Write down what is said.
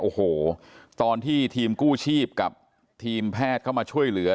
โอ้โหตอนที่ทีมกู้ชีพกับทีมแพทย์เข้ามาช่วยเหลือ